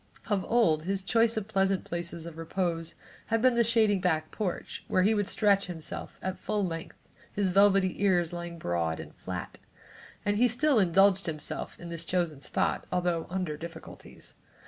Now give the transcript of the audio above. Of old, his choice of pleasant places of repose had been the shady back porch, where he would stretch himself at full length, his velvety ears lying broad and flat, and he still indulged himself in this chosen spot, although under difficulties.